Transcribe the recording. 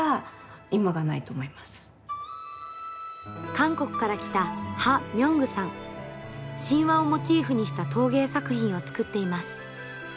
韓国から来た神話をモチーフにした陶芸作品を作っています。